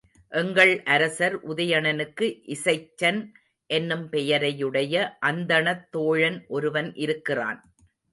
எங்கள் அரசர் உதயணனுக்கு இசைச்சன் என்னும் பெயரையுடைய அந்தணத் தோழன் ஒருவன் இருக்கிறான்.